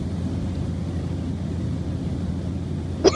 Es hermana del economista y exprimer ministro, Fernando Zavala Lombardi.